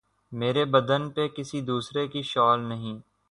مرے بدن پہ کسی دوسرے کی شال نہیں